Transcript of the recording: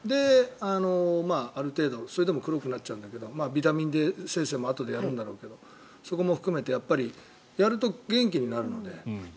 ある程度それでも黒くなっちゃうんだけどビタミンＤ生成もあとでやるんだろうけどやっぱりやると元気になるので。